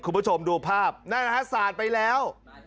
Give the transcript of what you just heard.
คุณผู้ชมดูภาพนั่นนะฮะสาดไปแล้ว